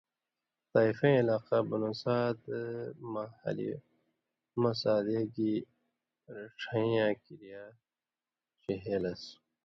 طائفَیں عِلاقہ 'بنوسعد' مہ حلیمہ سعدیہ گے رچَھیں یاں کِریا ڇِہےلس؛